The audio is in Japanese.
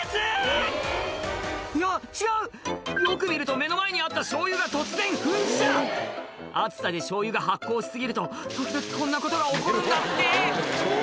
いや違うよく見ると目の前にあったしょうゆが突然噴射暑さでしょうゆが発酵し過ぎると時々こんなことが起こるんだって